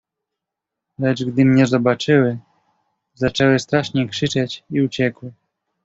"Lecz gdy mnie zobaczyły, zaczęły strasznie krzyczeć i uciekły."